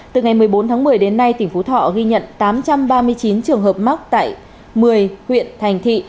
từ ngày một mươi bốn tháng một mươi đến nay tỉnh phú thọ ghi nhận tám trăm ba mươi chín trường hợp mắc tại một mươi huyện thành thị